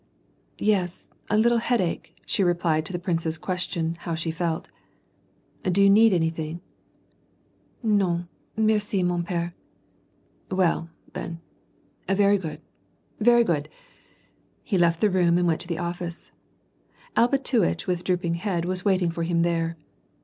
" Yes, a little headache," she replied to the prince's ques tion how she felt. " Do you need anything ?" "^Vn, m&rei, mon pere" "Well, then, very good, very good." He left the room and went to the ofl&ce. Alpatuitch, with drooping head, was waiting for him there.